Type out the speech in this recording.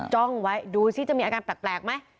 จ้องไว้ดูซิจะมีอาการแปลกไหม